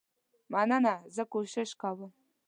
مننه زه کوشش کوم.